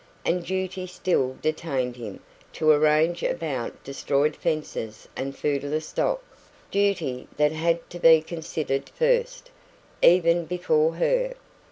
And duty still detained him, to arrange about destroyed fences and foodless stock duty that had to be considered first, even before her.